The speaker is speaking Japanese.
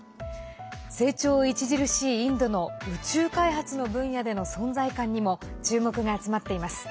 成長著しいインドの宇宙開発の分野での存在感にも注目が集まっています。